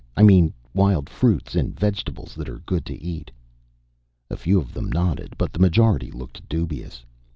I mean wild fruits and vegetables that are good to eat." A few of them nodded, but the majority looked dubious.